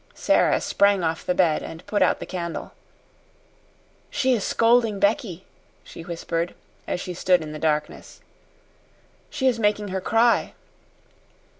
Sara sprang off the bed, and put out the candle. "She is scolding Becky," she whispered, as she stood in the darkness. "She is making her cry."